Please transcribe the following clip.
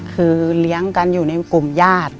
คือเลี้ยงกันอยู่ในกลุ่มญาติ